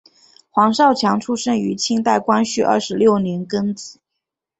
黄少强出生于清代光绪二十六年庚子。